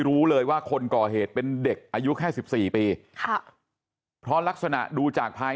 รู้เลยว่าคนก่อเหตุเป็นเด็กอายุแค่สิบสี่ปีค่ะเพราะลักษณะดูจากภาย